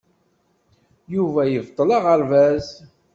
Yuba yebṭel aɣerbaz.